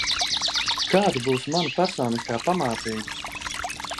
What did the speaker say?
Kāda būs mana personiskā pamācība?